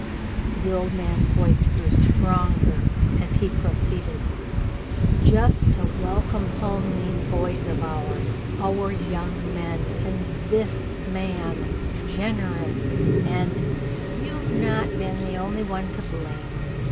The old man's voice grew stronger as he proceeded, "Just to welcome home these boys of ours our young men and this man generous and " "You've not been the only one to blame."